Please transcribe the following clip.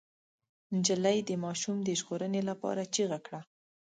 نجلۍ د ماشوم د ژغورنې لپاره چيغه کړه.